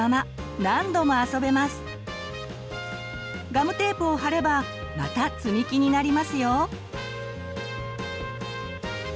ガムテープを貼ればまたつみきになりますよ。